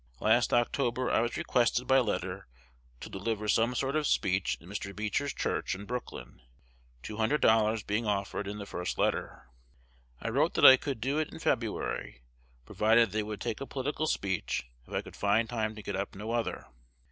Last October I was requested by letter to deliver some sort of speech in Mr. Beecher's church in Brooklyn, $200 being offered in the first letter. I wrote that I could do it in February, provided they would take a political speech if I could find time to get up no other.